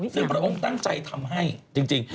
ซึ่งพระองค์ตั้งใจทำให้จริง